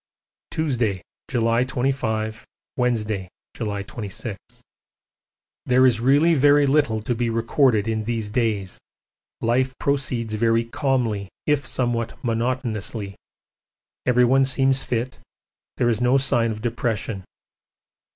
Tuesday, July 25, Wednesday, July 26. There is really very little to be recorded in these days, life proceeds very calmly if somewhat monotonously. Everyone seems fit, there is no sign of depression.